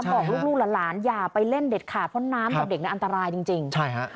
บอกลูกหลานอย่าไปเล่นเด็ดขาดเพราะน้ำกับเด็กนั้นอันตรายจริง